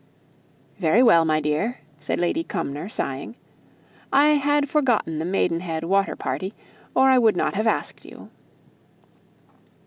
"Very well, my dear," said Lady Cumnor, sighing, "I had forgotten the Maidenhead water party, or I would not have asked you."